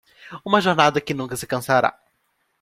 uma jornada que nunca se cansará